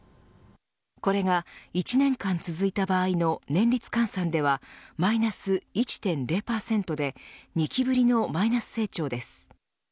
これが１年間続いた場合の年率換算ではマイナス１．０％で２期ぶりのマイナス成長です。